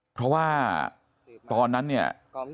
เพราะว่าตอนนั้นเนี่ย